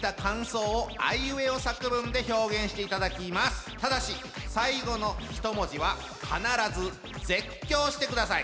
今から栃木県ただし最後のひと文字は必ず絶叫してください。